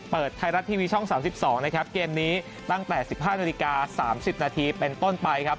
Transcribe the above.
ไทยรัฐทีวีช่อง๓๒นะครับเกมนี้ตั้งแต่๑๕นาฬิกา๓๐นาทีเป็นต้นไปครับ